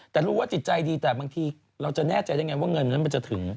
แต่รู้ว่าจิตใจดีแต่บางทีเราจะแน่ใจได้ไงว่าเงินนั้นมันจะถึง